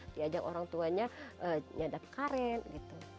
diajak orang tuanya nyadap karet